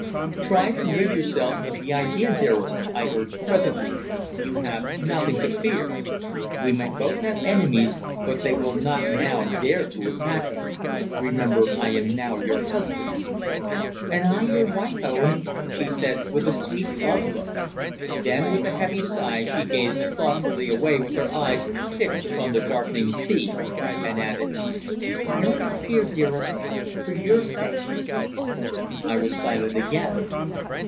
"Try and rid yourself of the idea, dearest," I urged presently. "You have nothing to fear. We may both have enemies, but they will not now dare to attack us. Remember, I am now your husband." "And I your wife, Owen," she said, with a sweet love look. Then, with a heavy sigh, she gazed thoughtfully away with her eyes fixed upon the darkening sea, and added: "I only fear, dearest for your sake." I was silent again.